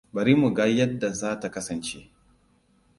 Bari mu ga yadda za ta kasance.